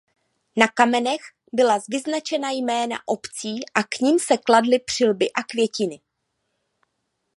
Na kamenech byla vyznačena jména obcí a k nim se kladly přilby a květiny.